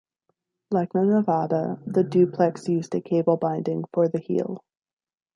Like the Nevada, the Duplex used a cable binding for the heel.